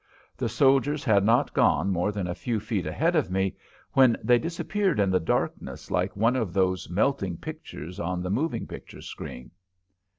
The soldiers had not gone more than a few feet ahead of me when they disappeared in the darkness like one of those melting pictures on the moving picture screen.